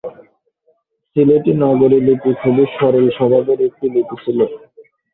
সিলেটি নাগরী লিপি খুবই সরল স্বভাবের একটি লিপি ছিল।